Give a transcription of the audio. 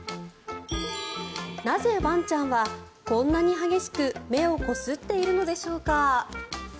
なぜ、ワンちゃんはこんなに激しく目をこすっているのでしょうか。